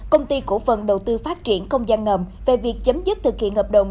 công ty cổ phần đầu tư phát triển không gian ngầm về việc chấm dứt thực hiện hợp đồng